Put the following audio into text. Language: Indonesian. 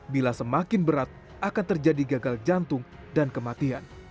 bila semakin berat akan terjadi gagal jantung dan kematian